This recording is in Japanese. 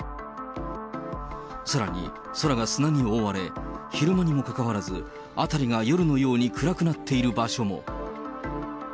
さらに空が砂に覆われ、昼間にもかかわらず、辺りが夜のように暗くなっている場所も。